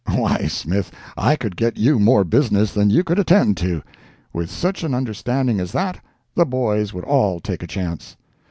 Why, Smith, I could get you more business than you could attend to. With such an understanding as that, the boys would all take a chance.